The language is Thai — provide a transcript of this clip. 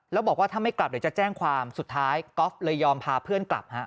แล้วบอกว่าถ้าไม่กลับเดี๋ยวจะแจ้งความสุดท้ายก๊อฟเลยยอมพาเพื่อนกลับฮะ